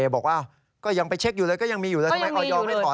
ยอมรับว่าการตรวจสอบเพียงเลขอยไม่สามารถทราบได้ว่าเป็นผลิตภัณฑ์ปลอม